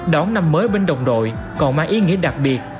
đón năm mới binh đồng đội còn mang ý nghĩa đặc biệt